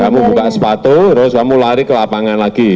kamu buka sepatu terus kamu lari ke lapangan lagi